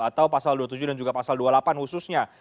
atau pasal dua puluh tujuh dan juga pasal dua puluh delapan khususnya